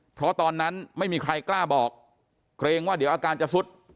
เพราะตอนนั้นไม่มีใครกล้าบอกเกรงว่าเดี๋ยวอาการจะสุด